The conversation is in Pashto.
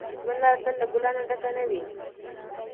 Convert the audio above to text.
د ژوند لاره تل له ګلانو ډکه نه وي.